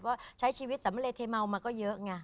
เพราะใช้ชีวิตสำเร็จเทมามาก็เยอะไง